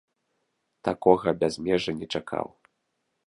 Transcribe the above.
Такога бязмежжа не чакаў.